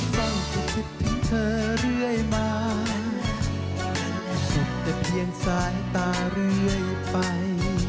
ต้องคิดถึงเธอเรื่อยมาสุขแต่เพียงสายตาเรื่อยไป